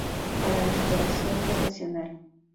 Para la superación profesional.